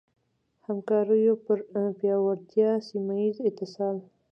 همکاریو پر پیاوړتیا ، سيمهييز اتصال